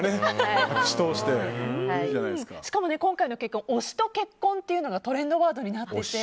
しかも今回の結婚推しと結婚ってのがトレンドワードになっていて。